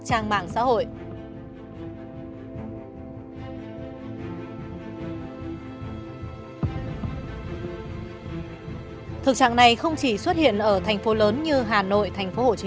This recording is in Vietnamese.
trang mạng xã hội thực trạng này không chỉ xuất hiện ở thành phố lớn như hà nội thành phố hồ chí